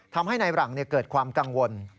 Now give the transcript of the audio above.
ทำให้นายหลังเกิดความกังวล